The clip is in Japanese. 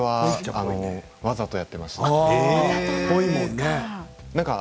わざとやっていました。